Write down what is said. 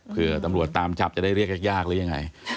เพื่อตำรวจตามจับจะได้เรียกยากหรือยังไง